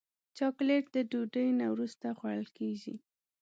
چاکلېټ د ډوډۍ نه وروسته خوړل کېږي.